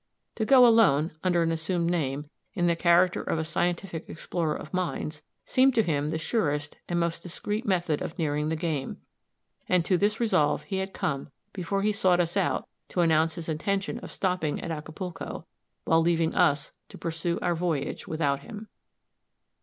To go alone, under an assumed name, in the character of a scientific explorer of mines, seemed to him the surest and most discreet method of nearing the game; and to this resolve he had come before he sought us out to announce his intention of stopping at Acapulco, while leaving us to pursue our voyage without him.